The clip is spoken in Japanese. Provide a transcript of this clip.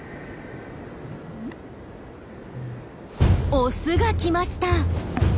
オスが来ました。